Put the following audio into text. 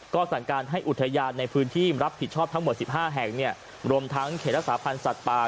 ก็สั่งการให้อุทยานในพื้นที่รับผิดชอบทั้งหมด๑๕แห่งรวมทั้งเขตรักษาพันธ์สัตว์ป่า